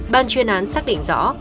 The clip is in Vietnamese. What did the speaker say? ban chuyên án xác định rõ